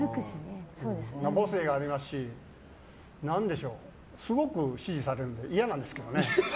母性がありますし何でしょうすごく指示されるので嫌なんですけどね。